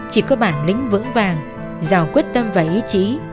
chỉ có bản lĩnh vững vàng giàu quyết tâm và ý chí